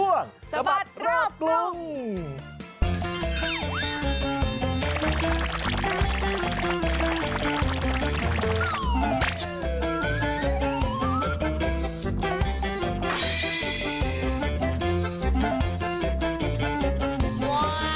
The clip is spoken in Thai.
ว้าว